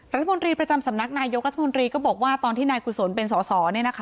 รัฐมนตรีประจำสำนักนายกรัฐมนตรีก็บอกว่าตอนที่นายกุศลเป็นสอสอ